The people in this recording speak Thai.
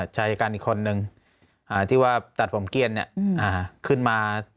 ชายการอีกคนนึงที่ว่าตัดผมเกี้ยนขึ้นมา